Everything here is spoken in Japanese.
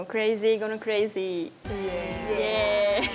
イエイ！